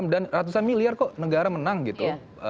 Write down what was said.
dan ratusan miliar kok negara menang gitu